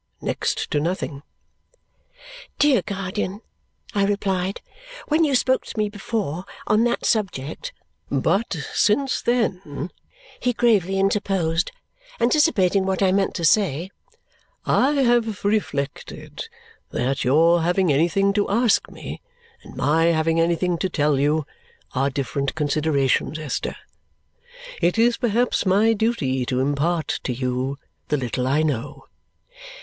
Next to nothing." "Dear guardian," I replied, "when you spoke to me before on that subject " "But since then," he gravely interposed, anticipating what I meant to say, "I have reflected that your having anything to ask me, and my having anything to tell you, are different considerations, Esther. It is perhaps my duty to impart to you the little I know."